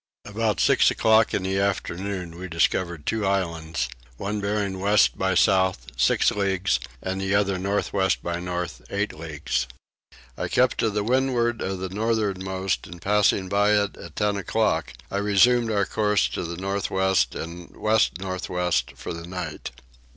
About six o'clock in the afternoon we discovered two islands, one bearing west by south 6 leagues and the other north west by north 8 leagues; I kept to windward of the northernmost and, passing it by 10 o'clock, I resumed our course to the north west and west north west for the night.